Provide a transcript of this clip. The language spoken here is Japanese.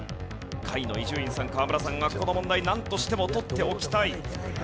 下位の伊集院さん河村さんはこの問題なんとしても取っておきたい。